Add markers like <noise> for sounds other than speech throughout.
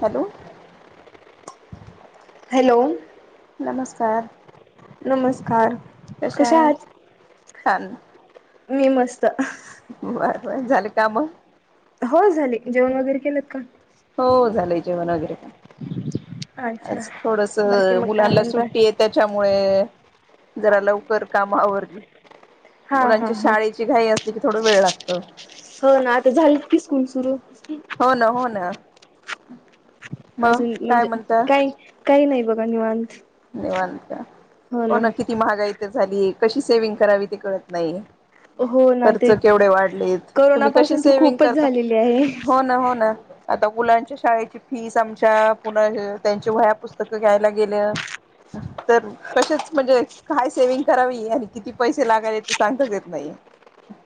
Hello hello नमस्कार नमस्कार कशा आहे छान मी मस्त बर बर झाले का मग हो झाली जेवण वगैरे केलंत का हो झालंय जेवण वगैरे पण अच्छा आज थोडस बाकी मग काय मुलांना म्हणताय? सुट्टी आहे त्याच्यामुळे जरा लवकर कामावरगे हा हा मुलांची हा शाळेची घाई असली की थोडं वेळ लागत हो ना आता झालं की स्कूल सुरू हो ना हो ना मग अजून काय म्हणजे म्हणता काही काही नाही बघा निवां हो ना किती महागा इ तरर झाली कशी सेव्हंग करावी ते कळत नाही हो ना खर्च ते केवढे वाढलेत करोना तुम्ही कशी पासून तर सेविंग खूपच करता झालेली आहे. हो ना हो ना आता मुलांच्या शाळेची फीस आमच्या पुन्हा त्यांची वया पुस्तकं घ्यायला गेलं ह तर कसेच म्हणजे काय सेविंग करावी आणि किती पैसे लागायले ते सांगताच येत नाही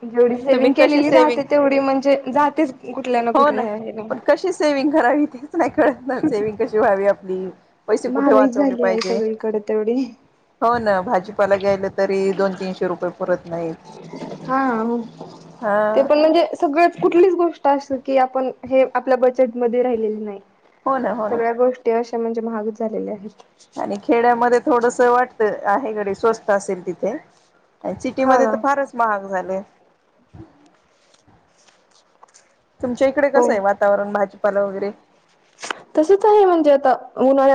जेवढी तुम्ही सेव्हंग कशी केलेली सेविंग राहते तेवढी म्हणजे जातेच कुठल्या ना हो कुठल्या हे पण कशी सेविंग करावी तेच नाही कळत ना सेविंग कशी व्हावी आपली पैसे कुठे महागाई झाली वाचवले आहे हिे सगळीकडे तेवढी हो ना भाजीपाला ग्यायला तरी दोन तीनशे रुपये परत नाहीत हा ते हा पण म्हणजे सगळ कुठलीच गोष्ट अस की आपण हे आपल्या बजेटमध्येध्ये राहिलेले नाही हो ना हो ना सगळ्या गोष्टी अशा म्हणजे महागच झालेल्या आहेत आणि खेड्यामध्ये थोडस वाटतं आहेकडे स्वस्त असेल तिथे सिटी हा मध्ये ना तर फारच महाग झाले तुमच्या इकडे हो. कसं आहे वातावरण भाजीपाला वगैरे तसच आहे म्हणजे आता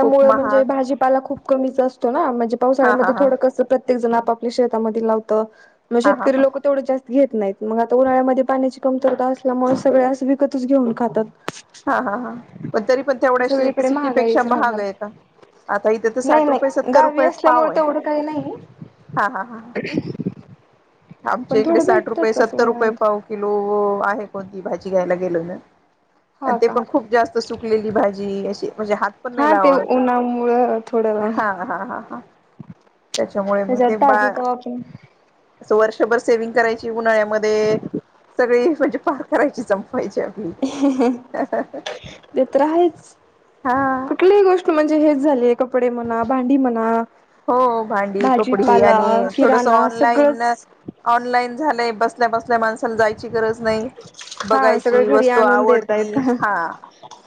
खूप म्हणजे महाग भाजीपाला खूप कमीच असतो ना म्हणजे हा हा पावसाळ्यामध्ये हा थडं कसं प्रत्ये जण आप शेतामध्ये लावत म हा हा शेतकरी हा लोक तेवढ जास्त घेत नाहीत मग आ उन्हाळ्यामध्ये पाण्याची कमरता असल्यामुळे सगळे असं विकतच घेऊन खातात. हा हा हा पण तरी पण तेवढ्या सगळीकडे सिटीपेक्षा महागाईच राहणार. महागे का? आता इथे तर नाही साठ रुपये नाही सत्तर गावी रुपये असल्यामुळे पावे. तेवढं काही नाही हा हा ह ह. आमच्या पण इकडे थोडं साठ रुपये भेटतच असं सत्तर रुपये मला. पाव किलो आहे. कोणती भाजीयला गेलो ना हा ते का. पण खूप जास्त सुकली भाजी अशी म्हणजे हात पण नाही हा ते लावां वाटत उन्हामुळं थोडं हा हा हा ह. त्याच्यामुळे मग त्याच्यावर ते बा ताजे तवा आपण अस वर्षभर सेव्हंग करायची उन्हाळ्यामध्ये सगळी म्हणजे पार करायची संपवायची आपली ते तर आहेच. हा कुठलीही गोष्ट म्हणजे हेच झाली कपडे म्हणा भांडी म्हणा हो भांडी कपडी भाजीपाला आणि थोडस किराणा ऑनलाईन सगळंच ऑनलाईन झालंय. बसल्या बसल्या माणसाला जायची गरज नाही हा सगळं बघायची घरी वस्तू आणून आवडती देतायत हा.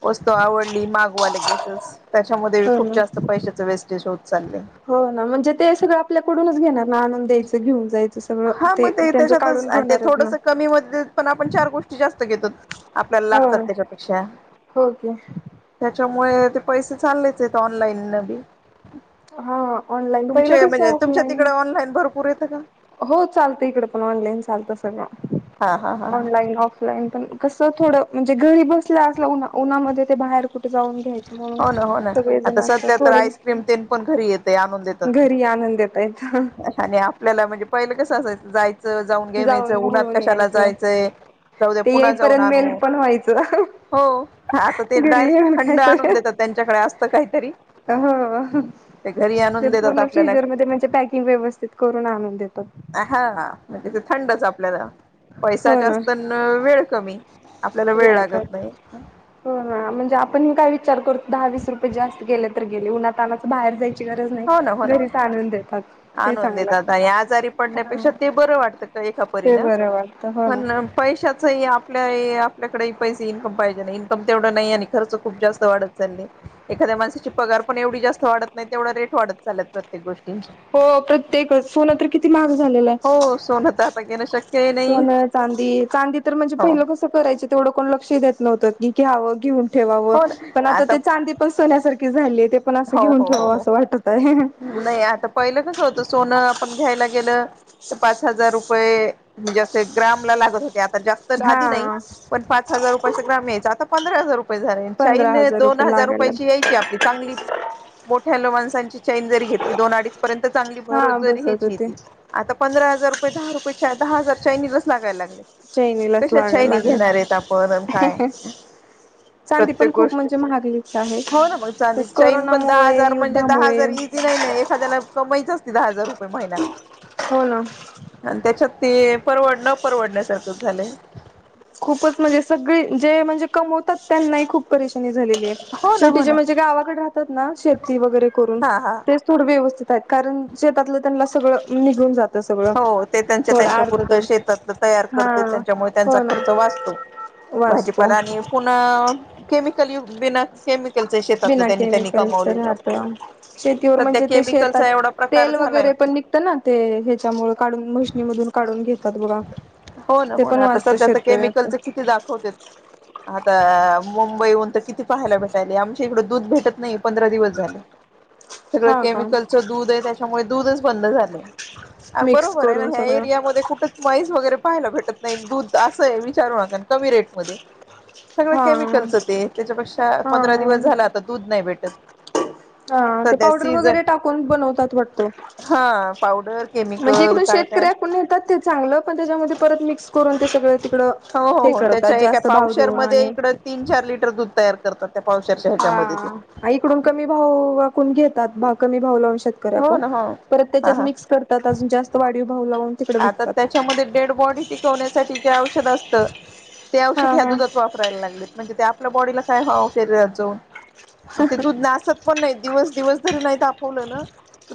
वस्तू आवडली मागवाला लगेच. चच त्याच्यामध्ये हो खूप ना जास्त पैशाच वेस्टेज होत चालये. हो ना म्हणजे ते सगळं आपल्याकडूनच घेणार ना आनंद द्यायचं घेऊन जायचं. सगळं हा मग ते त्यांचं त्याच्यातच काढून ते घेणारच ना थोडस कमी म पण आपण चार गोष्टी जास्त घेतोत. आपल्याला हो लागतात त्याच्यापेक्षा हो की त्याच्या मुळे ते पैसे चाललेच आहेत ऑनलाईन न बी. हा ऑनलाईन पहिलं तुमचे कसं म्हणजे तुमच्या ऑफलाईन तिकडे ऑनलाईन भरपूर येतं का? हो चालतं इकडे पण ऑनलाईन चालतं सगळं. हा हा हा हा ऑनलाईन ऑफलाईन पण कस थोडं म्हणजे घरी बसल्या असल्या उन्हा उन्हामध्ये ते बाहेर कुठे जाऊन घ्यायच हो ना हो ना आता सध्या तर आईस्क्रीम तेन पण घरी येते आणून देतात ते. घरी आणून देतायत आणि आपल्याला म्हणजे पहिलं कसं असायचं जाय जाऊन घेऊन यायचं उन्हात घेऊन कशाला यायचं जायचंय. जाऊद्या ते पुन्हा जाऊन येईपर्यंत आणू मेल्ट पण व्हायचं हो आता ते घरी डायरेक्ट येऊन थंड आणून देतात. खाईपर्यंत त्यांच्याकडे असत काहीतरी. हो ते घरी ते आणून देतात पूर्ण आपल्याला. फ्रीजर मध्ये म्हणजे पॅकिंग व्यवस्थित करून आणून देतात हा. म्हणज ते थंडच आपल्याला पैसा हो ना जास्त वेळ कमी. आपल्याला वेळ लागत कामी. नाही हो म्हणजे आपण ह काही चार करतो दहा वीस रुपये जास्त गेले तर गेले उन्हातानाच बाहेर जायच हो ना हो ना ते आनून चांगलं देतात आणि आजारी हा पडण्यापेक्षा ते बर वाटत. एका परी ते बरं वाटतं हो ना. पण पैशाच आपल्या आपल्याकडे ईकम पाहिजे ना इकमव तेवढं नाही आणि खर्च खूप जास्त वाढत चाले एखा्या माणसाची पगार पण एवढी जास्त वाढत नाही तेवढ रेटढत चालत प्रत्येक गोष्ट हो प्रत्येकच सोन तर किती महाग झालेलय. हो सोनं तर आता घेणं शक्यही नाही सोन, चांदी चांदी तर म्हणजे हो पहिलं कसं करायचं तेवढं कोण लक्ष द्याय न्हत की घ्यावं घेऊन ठेवावं हो ना पण आता ते चांदी पण सोन्यासारखी झालीय. हो हो हो हो हो नाही आता पहिलं कस होतं सोनं आपण घ्यायला गेलं. पाच हजार रुपये म्हणजे असे ग्राम ला लागत होते. आता जास्त आधी नाही हा पण पाच हजार रुपया ग्राम यायच आता पंधरा हजार रुपये झाले पंधरा चाईन दोन रुपये हजार लागायला रुपयाची यायची आपली चांगली, मोठ्या ल्या माणसांची चईन जरी घेतली दोन अडीच पर्यंत चांगली हा बसत होते. भरर्याची आता पंधरा हजार दहा रुपयाची दहा हजार चाैनीलाच लागायला लागले चैनीलाच कशा लागायला चाैनी लागलेत. घेणारेत आपणण काय? चांदी पण प्रत्येक खूप गोष्ट म्हणजे महागलीच आहे. हो ना मग चांदी तेच चैन पण दहा कोरोनामुळे हजार म्हणजे दहा युद्धामुळे हजार इझी नाही ना एखाद्याला कमाईच असते दहा हजार रुपये महिना. हो ना आणि त्याच्यात ते परवड न परवडण्यासारखंच झालंय खूपच म्हणजे सगळी जे म्हणजे कमवतात त्यांनाही खूप परेशानी झाली हो ना हो शेवटी ना म्हणे गावाक राहतात शेती वगैरे करून हा हा तेथोड व्यवस्थित कारण शेतातलं त्यांना सगळं निघून जात हो ते त्यांच्या त्यांच्या पुुरतं शेतात तयार हा करते त्यांच्यामुळे त्यांचा हो ना. खर्च वाचतो भाजीपाला आणि पुणे केमिकल शेतातलं बिना त्यांनी त्यांनी केमिकल्चर कमावलेलं आहे. आता शेतीवर सध्या म्हणजे ते शेतात केमिकलचा एवढा प्रकार तेल झालाय. वगैरे पण निघत ना ते हच्यामुळे काढून मशनीमधून काढून घेत हो ना हो ना आता सध्या तर शेतकऱ्याच केमिकलच किती दाखवते आता मुंबई उंत किती पाहायला भेटायला आमच्या इकडं दूध भेटत नाही पंधरा दिवस झालं सगळं हा का केमिकलचं दूध आहे त्याच्यामुळे दूधच बंद झालंय आणि मिक्स बरोबर आहे ना करून ह्या सगळं एरियामध्ये कुठे मैज वगैरे पाहायला भेटत नाही दूध असंय विचारू नका कमी रेट मध्ये सगळ हा. केमिकलस ते त्याच्यापेक्षा पंधरा दिवस हा झाला आता दूध नाही भेटत सध्या पावडर सीझन वगरे टाकून बनतात हा पावडर म्हणजे केमिकल इड काय काय शेतकऱ्या पण येतात ते चांगलं पण त्याच्यामध्ये परत मिक्स करून ते सगळ तिकडं हो हो हे हो करतात त्याच्या एका जास्त भाव पावशर देऊन मध्ये आणि इकड तीन चार लिटर दूध तयार करतात त्या पावशरच्या ह्याच्यामध्ये ते हा इकडून कमी भाव वाकून घेतात भा कमी भाव लाव शक त्या हो मव ना हो हा हा आता त्याच्यामध्ये डेड बॉडी टिकवण्यासाठी जे औषध असत हा औषध ह्या हा दुधात वापरायला लागलेत म्हणजे आपल्या बॉडीला काय व्हावं शरीराच ते दूध नासत पण नाही दिवस दिवस तरी नाही तापवलं ना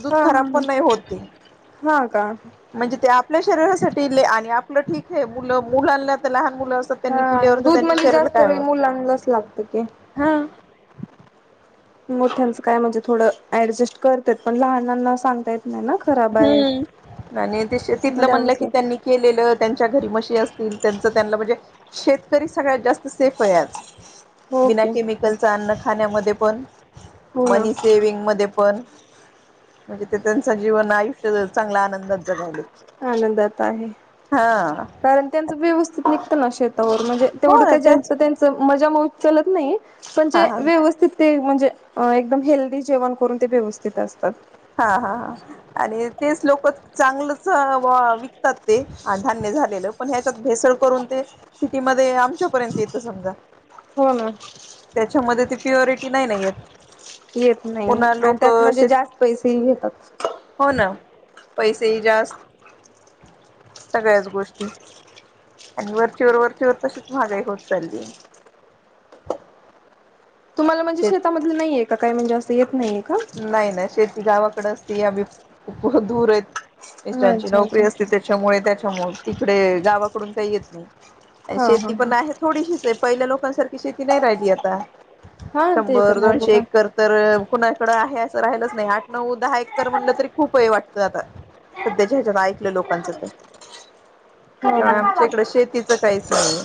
दूध हा हा खराब पण नाही होत ते ह का म्हणजे ते आपल्या शरीरासाठी आणि आपलं ठीक आहे मुलं मुलांना तर लहान मु अस त्यांनी हा पिल्यावर दूध त्यांच्या म्हणजे शरीरा जास्त काय वेळ मुलांनाच लागतं की हा <unintelligible> मोठ्यांचं काय म्हणजे थोडं ऍडजस्ट करतत पण लहानांना सांगतायत हम्म आणि मग तिथलं म्हणलं द्यावंच की लागतं त्यांनी केलेलं त्यांच्या घरी मशी असतील त्यांच त्यांना म्हणजे शेतकरी सगळ्यात जास्त सेफ आहे आज हो विना की हो केमिकलच अन्न खाण्यामध्ये पण ना मनी सेविंग म पण म्हणजे ते त्यांच जीवन आयुष्य चांगला आनंदात जगायले आनंदात आहे हा कारण त्यांच व्यवस्थित निघतं ना शेत म्हणजे हो तेवढं ना काही जास्त त्यांच मजा मग उचलत नाही हा पणजे हा व्यवस्थित ते म्हणजे एकदम हेल्दी जेवण करून ते व्यवस्थित असतात हा हा ह आणि तेच लोक चांगलं विकतात ते धान्य झालेलं पण ह्याच्यात भेसळ करून ते सिटी मध्ये आमच्यापर्यंत येत समजा हो ना त्याच्यामध्ये ती प्युरिटी नाही नाही आहेत येत नाही आणि त्यात म्हणजे जास्त पैसेही घेतात हो पैसेही जास्त सगळ्याच गोष्टी आणि वरचीवर वरचीवरर तशीच महागाई होत चालली तुम्हाला म्हणजे शेत शेतामधले नाहीये काय म्हणजे असं येत नाहीय नाही नाही शेती गावाकडे असती आम्ही खूप दूर आहेत हा मिांची अच्छा नोकरी अच्छा असते त्याच्यामुळे त्याच्यामुळे तिकडे गावाकडून काही येत नाही हा हा शेती पण आहे थोडीशीच आहे पहिल्या लोकांसारखी शेती नाही राहिली आता हा हा ते शंभर तर आहे दोनशे बघा. एककर तर इ आहे असं राहिलंच नाही आठ नऊ दहा एकर म्हणलं तरी खूप हे वाटतं आता सध्याच्या्याच्यात ऐकलं लोकांचं ते हा हा त्याच्यामुळे हा आमच्या इकडं शेतीचं काहीच नाहीये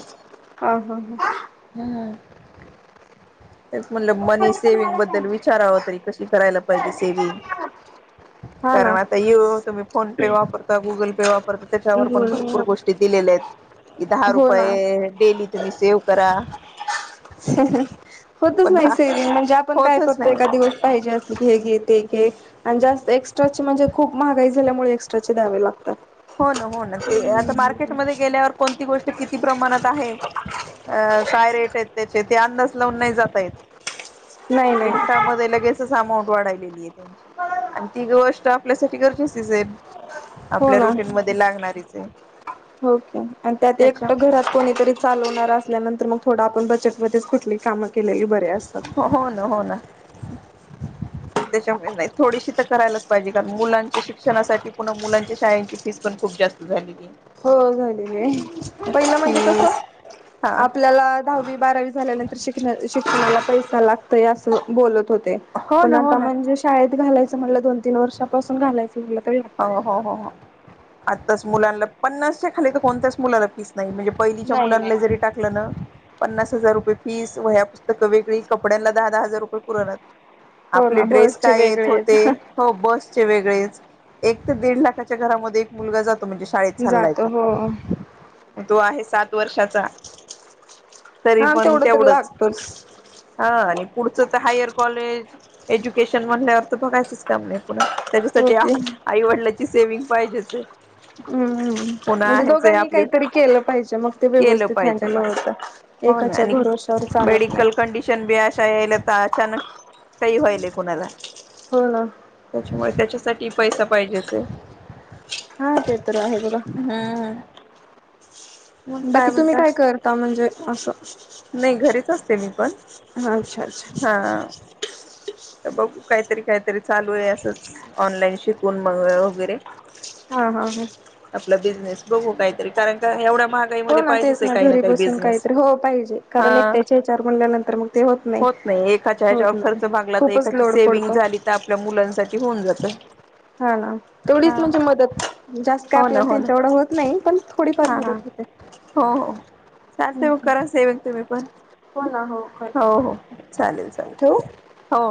ह ह ह म्हणलं मनी सेविंग बद्दल विचारावं तरी कशी करायला पाहिजे सेविंग हा कारण ना. आता ये तुम्ही फोन पे वापरता गुगल पे वापरता त्याच्यावर पण भरपूर गोष्टी दिलेल्या आहेत क दहा हो ना रुपये डेली तुम्ही सेव रा. होतच नाही सैरी म्हणजे आपण काय होतच करतो नाही. एखा दिवस पाहिजे अस हे घे ते घे आणि जास्त एक्स्ट्राचे म्हणजे खूप महागाई झाल्यामुळे एक्स्ट्राचे द्यावे लागतात हो ना हो ना ते आता मार्केटमध्ये गेल्यावर कोणती गोष्ट किती प्रमाणात आहे अ काय रेट आहेत त्याचे ते अंदाज लावून नाही जातय नाही नाही मिनटामध्ये लगेच अंट वाढलेली आहे त्यांची आणि ती गोष्ट आपल्यासाठी गरजच हो आपल्या रुटीन मध्ये लागणारीच आहे होके आणि त्यात त्याच्या एकट घरात कोणीतरी चालवणार ल्यानंतर मग थोड आपण बचतमध्येध्ये कुठली कामं केलेली बरे असतात हम त्याच्यामुळे थोडीशी तर करायलाच पाहिजे कारण मुलांच्या शिक्षणासाठी पुन्हा मुलांच्या शाळेची फीस पण खूप जास्त झालेली हो झाडी पहिलं म्हणजे कसं फीस हा आपल्याला दहावी बारावी झाल्यानंतर शिक शिकण्याला पै लागतय अस बोलत होते हो पण ना हो आता ना म्हणजे शाळेत घालाचं म्हट दो तीन वर्षापून घालायचं म्हटलं तरी लागतं. हो हो हो हो आत्ताच मुलांना पन्नासच्या खाली तर कोणत्याच मुलाला फीस नाही म्हणजे पहिलीच्या नाही नाही. मुलांना जरी टाकलं ना पन्नास हजार रुपये फीस व ह्या पुस्तकं वेगळी कपड्यांला दहा दहा हजार रुपये पुरण हो आपले ना ड्रेस बसचे काय येत वेगळेच होते हो बस वेगळे एक दड लाखाच्या घरामध्ये मुलगा जात तो म्हणजे शाळेत चाललाय जातो हो. तर तो आहे सात वर्षाचा तरी हा पण तेवढं तर तेवढंच लागतोच. हा पुढचं तर हायर कॉलेज एज्युकेशन म्हणल्या अर्थ बघायचंच काम नाही पुढ त्याच्यासाठी ओके. आईवडिलाची सेवि्हंग पाहिजेच हम्मम पुन्हा म्हणजे ह्याच दोघांनी आपली काहीतरी केलं पाहिजे मग ते केलं व्यवस्थित पाहिजे हडला होतं हो ना एकाच्या आणि भरोश्यावर चालत नाही. मेडिकल कंडिशन बी अशा याला अचानक काही व्हाल कुणाला हो ना त्याच्यामुळे त्याच्यासाठी पैसा पाहिजेच आहे हा ते तर आहे बघ हम्म मग बाकी तुम्ही म्हणता काय करता म्हणजे असं नाही घरीच असते मी पण अच्छा अच्छा हा बघू काहीतरी काहीतरी चालू आहे असंच ऑनलाईन शिकून मग वगैरे हा हा हा आपला बिझनेस बघू काहीतरी कारण का एवढ्या हो महागाईमध्ये ना पाहिजेच तेच आहे काही ना घरी काही बसून बिझनेस काहीतरी हो पाहिजे हा कारण एकट्याचे विचार म्हणल्यानंतर मग ते होत नाही एकाच्या ह्याच्यावर होत नाही खर्च भागला तर खूपच एका लोड पडतो सेव्हीग आपल्या मुलांसाठी होऊन जात हा ना तेवढच हा म्हणजे मदत जास्त काय हो ना आपल्याला हो ना त्यांच्या एवढं होत नाही पण थोडीफार हा हा मदत होते हो हो स ते करा सेव तुमही पण हो ना हो हो चालेल ठेवू चालेल हो